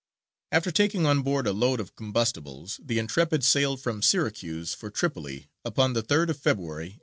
After taking on board a load of combustibles, the Intrepid sailed from Syracuse for Tripoli upon the 3rd of February, 1804.